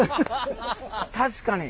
確かに。